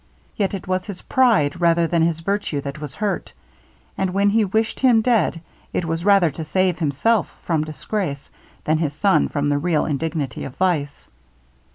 Yet it was his pride rather than his virtue that was hurt; and when he wished him dead, it was rather to save himself from disgrace, than his son from the real indignity of vice.